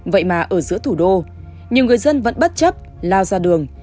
vậy mà ở giữa thủ đô nhiều người dân vẫn bất chấp lao ra đường